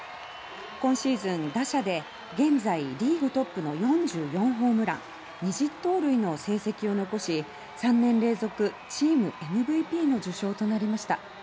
今シーズンに打者で現在リーグトップの４４ホームラン２０盗塁の成績を残し３年連続チームＭＶＰの受賞となりました。